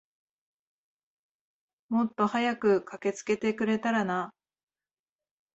もっと早く駆けつけてくれたらな。